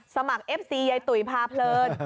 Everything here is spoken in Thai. สมัครเอฟซียายตุ๋ยพาเพลิน